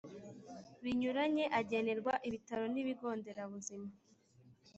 binyuranye agenerwa ibitaro n ibigo nderabuzima